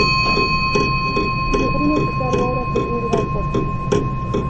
• د غرونو په سر واوره تر اوړي هم پاتې وي.